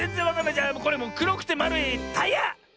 じゃもうくろくてまるいタイヤ！